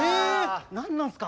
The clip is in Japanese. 何なんすか？